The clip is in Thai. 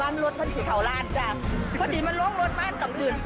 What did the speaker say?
สวัสดีครับ